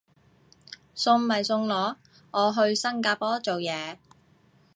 送咪送咯，我去新加坡做嘢